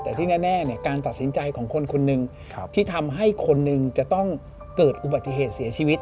แต่ที่แน่การตัดสินใจของคนคนหนึ่งที่ทำให้คนหนึ่งจะต้องเกิดอุบัติเหตุเสียชีวิต